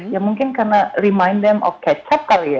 ya mungkin karena remind them of ketchup kali ya